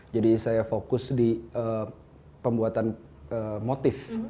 jadi saya fokus di pembuatan motif